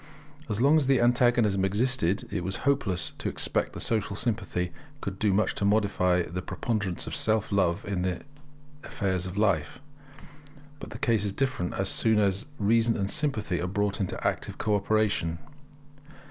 As long as the antagonism existed, it was hopeless to expect that Social Sympathy could do much to modify the preponderance of self love in the affairs of life. But the case is different as soon as reason and sympathy are brought into active co operation.